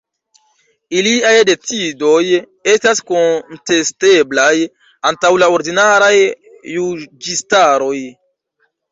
Iliaj decidoj estas kontesteblaj antaŭ la ordinaraj juĝistaroj.